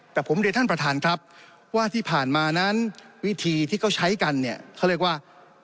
แต่ผมเรียนท่านประธานครับว่าที่ผ่านมานั้นวิธีที่เขาใช้กันเนี่ยเขาเรียกว่า